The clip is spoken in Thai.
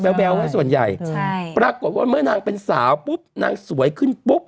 แววไว้ส่วนใหญ่ใช่ปรากฏว่าเมื่อนางเป็นสาวปุ๊บนางสวยขึ้นปุ๊บ